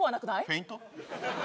フェイント？